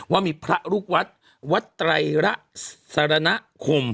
ว่ามีพระลูกวัดวัดไตรระสรณคม